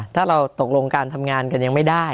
ถ้าเราตกลงการทำงานกันยังไม่ได้